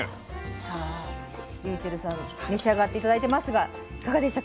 さあｒｙｕｃｈｅｌｌさん召し上がって頂いてますがいかがでした？